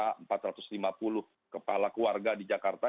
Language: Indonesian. kepala keluarga di jakarta